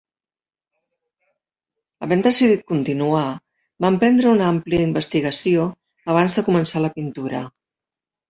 Havent decidit continuar, va emprendre una àmplia investigació abans de començar la pintura.